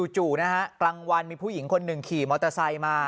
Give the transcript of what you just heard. จู่นะฮะกลางวันมีผู้หญิงคนหนึ่งขี่มอเตอร์ไซค์มา